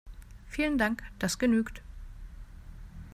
Vielen Dank, das genügt.